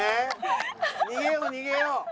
逃げよう逃げよう。